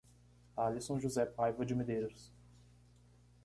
Alisson José Paiva de Medeiros